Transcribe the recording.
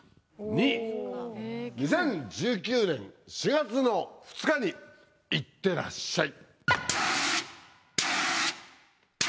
２０１９年４月２日に行ってらっしゃい。